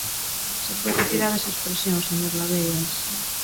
Xa foi retirada esa expresión, señor Lobeiras.